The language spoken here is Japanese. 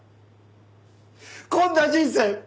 こんな人生